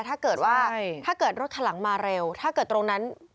ถ้าเกิดว่าถ้าเกิดรถคันหลังมาเร็วถ้าเกิดตรงนั้น